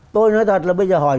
tôi nói thật là bây giờ hỏi